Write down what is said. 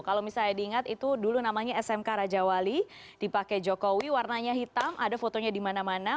kalau misalnya diingat itu dulu namanya smk raja wali dipakai jokowi warnanya hitam ada fotonya di mana mana